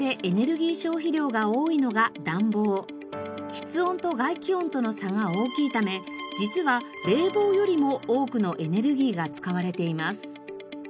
室温と外気温との差が大きいため実は冷房よりも多くのエネルギーが使われています。